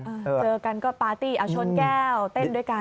เจอกันก็ปาร์ตี้เอาชนแก้วเต้นด้วยกัน